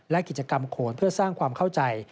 และกิจกรรมโขนเพื่อสร้างความเข้าใจ